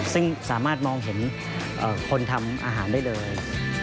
ซึ่งสามารถมองเห็นคนทำอาหารได้เลย